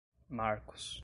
marcos